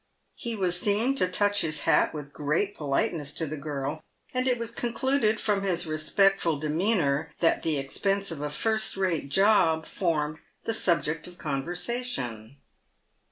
He was seen to touch his hat with great politeness to the girl, and it was concluded, from his respectful demeanour, that the expense of a first rate job formed the subject of conversation.